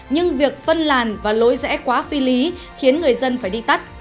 nhưng việc phân làn và lỗi rẽ quá phi lý khiến người dân phải đi tắt